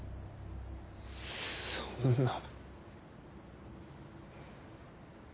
そんな。